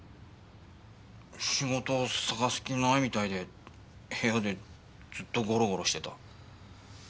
仕事探す気ないみたいで部屋でずっとゴロゴロしてた。